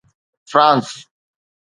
France